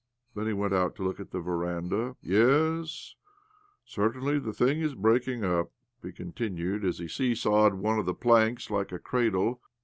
Then he went out to look at the veranda. " Yes, certainly the thing is breaking up," he continued as he see sawed one of the planks like a cradle.